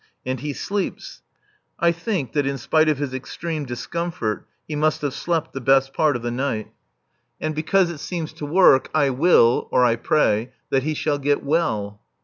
And he sleeps (I think that in spite of his extreme discomfort, he must have slept the best part of the night). And because it seems to work, I will or I pray that he shall get well.